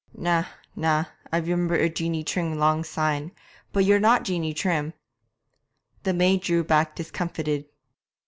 'Na, na, I remember a Jeanie Trim long syne, but you're not Jeanie Trim!' The maid drew back discomfited.